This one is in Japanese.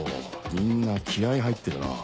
みんな気合入ってるな